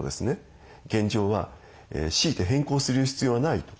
現状は強いて変更する必要はないと。